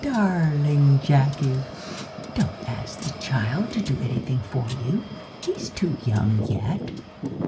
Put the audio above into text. "Darling Jacky! don't ask the child to do anything for you he's too young yet."